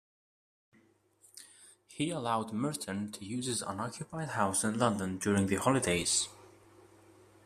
He allowed Merton to use his unoccupied house in London during the holidays.